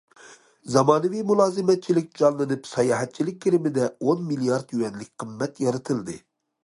زامانىۋى مۇلازىمەتچىلىك جانلىنىپ، ساياھەتچىلىك كىرىمىدە ئون مىليارد يۈەنلىك قىممەت يارىتىلدى.